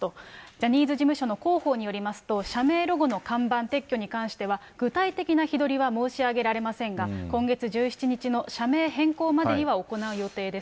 ジャニーズ事務所の広報によりますと、社名ロゴの看板撤去に関しては、具体的な日取りは申し上げられませんが、今月１７日の社名変更までには行う予定です。